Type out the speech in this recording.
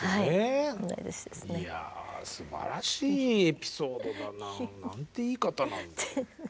いやすばらしいエピソードだな。なんていい方なんだろう。